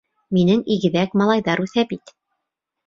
Минең игеҙәк малайҙар үҫә бит.